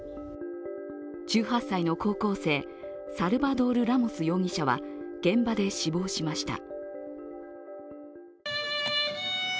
１８歳の高校生、サルバドール・ラモス容疑者は、現場で死亡しました。